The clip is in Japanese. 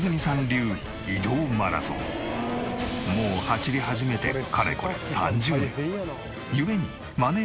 もう走り始めてかれこれ３０年。